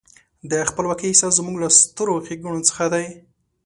د خپلواکۍ احساس زموږ له سترو ښېګڼو څخه دی.